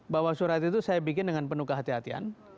bahwa surat itu saya bikin dengan penuh kehati hatian